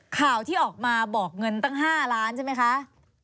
ข่าวที่ออกมาบอกเงินตั้ง๕ล้านใช่ไหมคะ